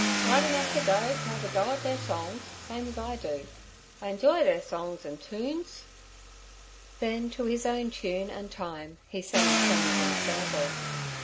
Right enuff t' go t' 'ave a go at ther songs, same 'uz I do. I enj'y ther songs an' toons.' Then to his own tune and time he sang some as an example.